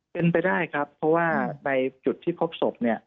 เป็นไปได้ครับเพราะว่าในจุดที่พบศพเนี่ย